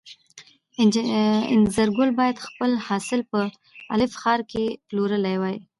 انځرګل باید خپل حاصل په الف ښار کې پلورلی وای.